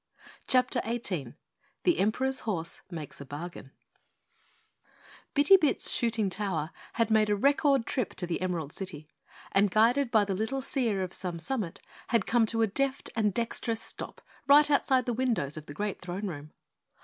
CHAPTER 18 The Emperor's Horse Makes a Bargain Bitty Bit's shooting tower had made a record trip to the Emerald City, and guided by the little Seer of Some Summit, had come to a deft and dexterous stop right outside the windows of the great Throne Room.